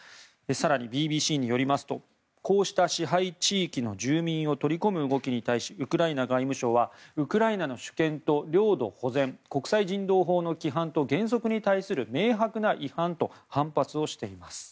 更にＢＢＣによりますとこうした支配地域の住民を取り込む動きに対しウクライナ外務省はウクライナの主権と領土保全国際人道法の規範と原則に対する明白な違反と反発をしています。